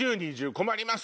困ります